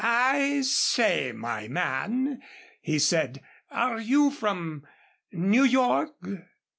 "I say, my man," he said, "are you from New York?"